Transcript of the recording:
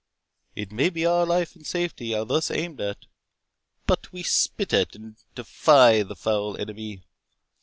—It may be our life and safety are thus aimed at; but we spit at and defy the foul enemy.